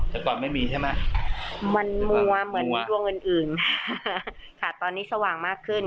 แต่ก่อนไม่มีใช่ไหมมันมัวเหมือนดวงอื่นอื่นค่ะตอนนี้สว่างมากขึ้น